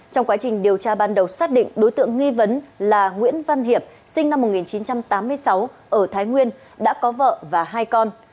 trong quá trình điều tra ban đầu xác định đối tượng nghi vấn là nguyễn văn hiệp sinh năm một nghìn chín trăm tám mươi sáu ở thái nguyên đã có vợ và hai con